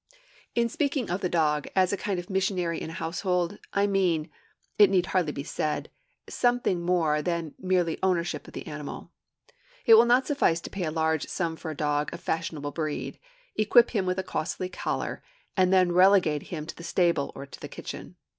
In speaking of the dog as a kind of missionary in the household, I mean, it need hardly be said, something more than mere ownership of the animal. It will not suffice to pay a large sum for a dog of fashionable breed, equip him with a costly collar, and then relegate him to the stable or the kitchen.